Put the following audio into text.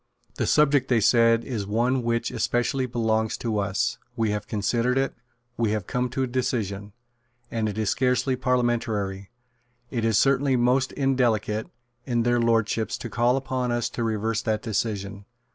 The subject, they said, is one which especially belongs to us; we have considered it; we have come to a decision; and it is scarcely parliamentary, it is certainly most indelicate, in their Lordships, to call upon us to reverse that decision.